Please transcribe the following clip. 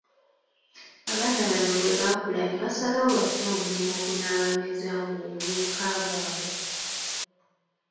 Abaana bano bwebaakula ne basalawo bafune omulimo ogunababeezaawo mu buvubuka bwabwe.